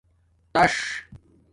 تاتس